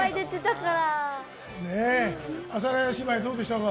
阿佐ヶ谷姉妹どうでしたか？